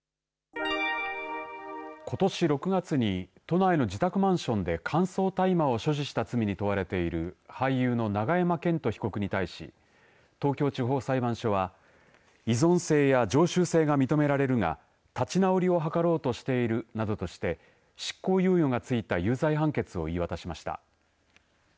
ことし６月に都内の自宅マンションで乾燥大麻を所持した罪に問われている俳優の永山絢斗被告に対し東京地方裁判所は依存性や常習性が認められるが立ち直りを図ろうとしているなどとして執行猶予がついた有罪判決を言い渡しました。